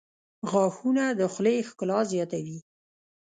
• غاښونه د خولې ښکلا زیاتوي.